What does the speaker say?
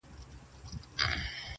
• پر قبرونو مو خدای ایښی برکت دی -